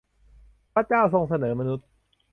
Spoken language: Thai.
พระเจ้าทรงเสนอมนุษย์